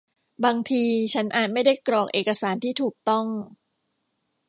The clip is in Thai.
บางทีฉันอาจไม่ได้กรอกเอกสารที่ถูกต้อง